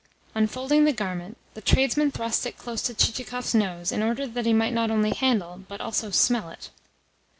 Unfolding the garment, the tradesman thrust it close to Chichikov's nose in order that he might not only handle, but also smell it.